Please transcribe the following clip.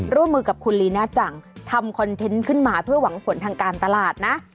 ร่วมมือกับคุณลีน่าจังทำคอนเทนต์ขึ้นมาเพื่อหวังผลทางการตลาดนะ